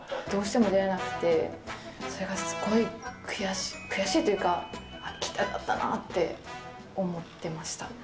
どうしても出れなくて、それがすごい悔しい、悔しいというか、行きたかったなって思ってました。